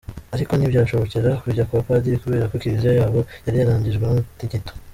Ariko ntibyashobokera kujya kwa padiri kubera ko kiliziya yabo yari yarangijwe n'umutingito.